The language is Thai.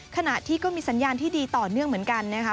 ขณะที่ก็มีสัญญาณที่ดีต่อเนื่องเหมือนกันนะคะ